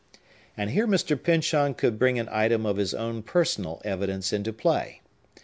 And here Mr. Pyncheon could bring an item of his own personal evidence into play.